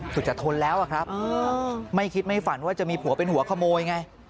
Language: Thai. คือจะทนแล้วอะครับไม่คิดไม่ฝันว่าจะมีผัวเป็นหัวขโมยไง